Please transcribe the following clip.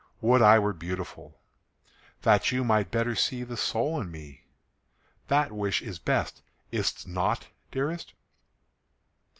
Would I were beautiful, That you might better see the soul in me! That wish is best, Is 't not, dearest?